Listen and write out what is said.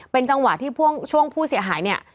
เป็นจังหวะที่ช่วงผู้เสียหายเนี่ย